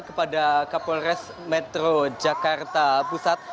kepada kapolres metro jakarta pusat